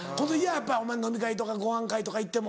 やっぱ飲み会とかごはん会とか行っても。